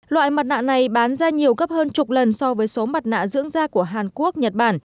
loại mặt nạ này bán ra nhiều gấp hơn chục lần so với số mặt nạ dưỡng da của hàn quốc nhật bản